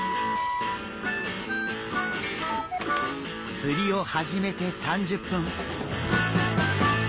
釣りを始めて３０分。